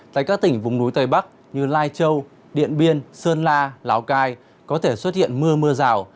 tại các tỉnh vùng núi tây bắc như lai châu điện biên sơn la lào cai có thể xuất hiện mưa mưa rào